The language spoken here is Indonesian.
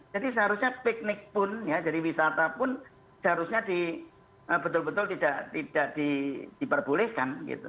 jadi seharusnya piknik pun ya jadi wisata pun seharusnya betul betul tidak diperbolehkan gitu